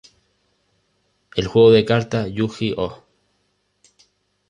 El juego de cartas Yu-Gi-Oh!